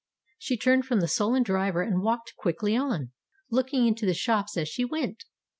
She turned from the sullen driver and walked quickly on, looking into the shops as she went.